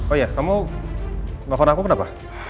oh iya kamu gak panggil aku kenapa